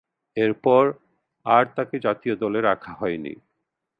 এরপর, আর তাকে জাতীয় দলে রাখা হয়নি।